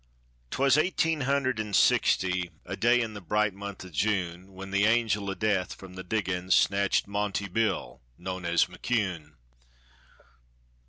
'Twas eighteen hundred an' sixty, A day in the bright month o' June, When the angel o' death from the diggin's Snatched "Monte Bill" known as McCune.